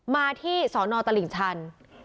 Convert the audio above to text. มาที่ศตลิงทัน